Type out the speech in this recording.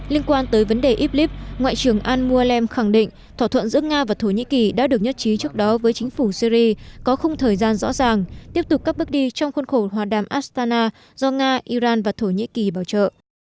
liên quan tới vấn đề iblis ngoại trưởng al mualem khẳng định thỏa thuận giữa nga và thổ nhĩ kỳ đã được nhất trí trước đó với chính phủ syri có khung thời gian rõ ràng tiếp tục các bước đi trong khuôn khổ hòa đàm astana do nga iran và thổ nhĩ kỳ bảo trợ